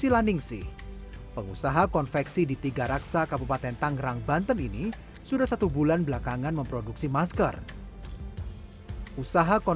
luar biasa sih